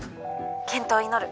健闘を祈る。